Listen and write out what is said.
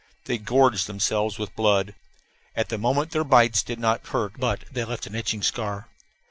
They gorged themselves with blood. At the moment their bites did not hurt, but they left an itching scar.